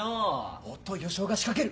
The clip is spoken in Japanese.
おっと良夫が仕掛ける。